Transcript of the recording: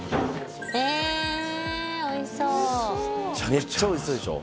めっちゃおいしそうでしょ。